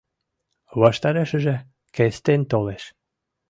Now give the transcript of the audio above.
Ваштарешыже Кестен толеш.